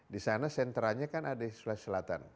di sana sentranya kan ada di sulawesi selatan